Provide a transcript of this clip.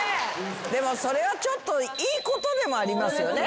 でもそれはちょっといいことでもありますよね。